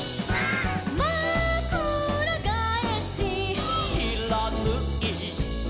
「まくらがえし」「」「しらぬい」「」